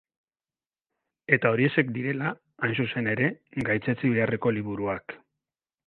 Eta horiexek direla, hain zuzen ere, gaitzetsi beharreko liburuak.